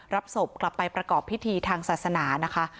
รับศพกลับไปประกอบพิธีทางศาสนานะคะ